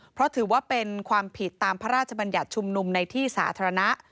เพราะถือว่าเป็นความผิดตามพระราชบัญญัติชุมนุมในที่สาธารณะ